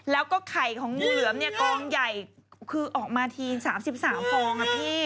แล้วก็ไข่ของงูเหลือมเนี่ยกองใหญ่คือออกมาที๓๓ฟองอ่ะพี่